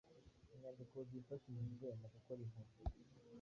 Inyandiko zifashishijwe mu gukora inkuru: